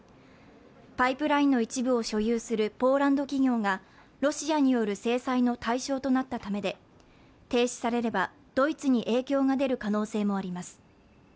パイプラインの一部を所有するポーランド企業がロシアによる制裁の対象となったためで停止されればドイツに影響が出る可能性もあります。